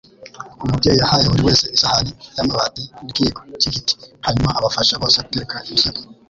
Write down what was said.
Umubyeyi yahaye buri wese isahani y'amabati n'ikiyiko cy'igiti, hanyuma abafasha bose guteka ibishyimbo.